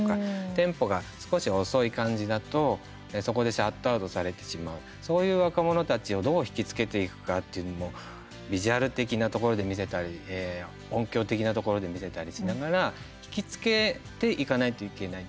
テンポが少し遅い感じだとそこでシャットアウトされてしまうそういう若者たちをどう引きつけていくかっていうのもビジュアル的なところで見せたり音響的なところで見せたりしながら引きつけていかないといけない。